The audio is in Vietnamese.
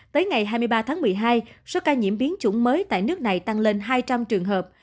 tới ngày hai mươi ba tháng một mươi hai số ca nhiễm biến chủng mới tại nước này tăng lên hai trăm linh trường hợp